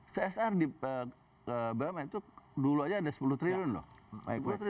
csr di bumn itu dulu aja ada sepuluh triliun loh